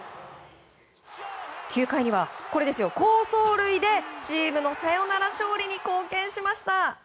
９回には好走塁でチームのサヨナラ勝利に貢献しました。